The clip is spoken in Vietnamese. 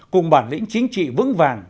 cùng bản lĩnh chính trị vững vàng